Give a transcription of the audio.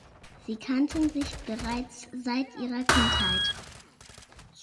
Sie kannten sich bereits seit ihrer Kindheit.